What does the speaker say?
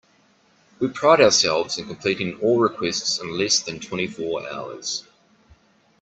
We pride ourselves in completing all requests in less than twenty four hours.